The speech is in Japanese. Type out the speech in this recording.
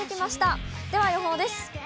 では予報です。